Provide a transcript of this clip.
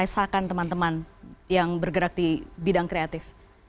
shkan teman teman yang bergerak di bidang kreatif